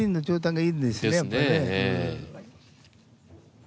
はい。